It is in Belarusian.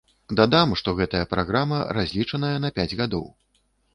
Дадам, што гэтая праграма разлічаная на пяць гадоў.